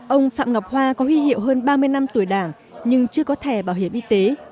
ông phạm ngọc hoa có huy hiệu hơn ba mươi năm tuổi đảng nhưng chưa có thẻ bảo hiểm y tế